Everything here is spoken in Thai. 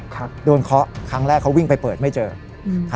ครับโดนเคาะครั้งแรกเขาวิ่งไปเปิดไม่เจออืม